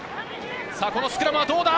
このスクラムはどうだ？